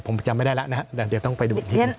ผมจำไม่ได้แล้วนะครับแต่จะต้องไปดูอีกที